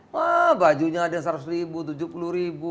wah bajunya ada seratus ribu tujuh puluh ribu